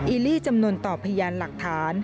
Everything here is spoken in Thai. ีลลี่จำนวนต่อพยานหลักฐาน